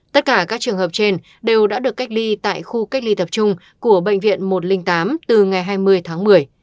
tất cả các trường hợp trên đều đã được cách ly tại khu cách ly tập trung của bệnh viện một trăm linh tám từ ngày hai mươi tháng một mươi